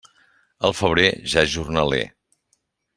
Al febrer, ja és jornaler.